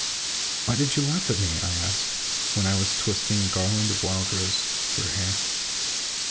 " Why did you laugh at me?" I asked, when I was twisting a garland of wild roses for her hair.